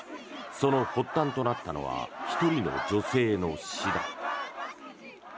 その発端となったのは１人の女性の死だ。